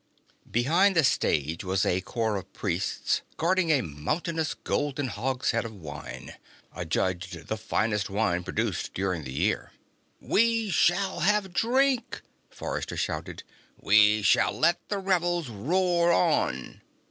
Behind the stage was a corps of Priests guarding a mountainous golden hogshead of wine, adjudged the finest wine produced during the year. "We shall have drink!" Forrester shouted. "We shall let the revels roar on!"